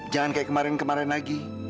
jangan kayak kemarin kemarin lagi